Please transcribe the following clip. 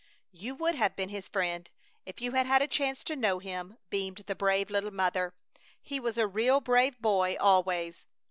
"You would have been his friend if you had had a chance to know him," beamed the brave little mother. "He was a real brave boy always!"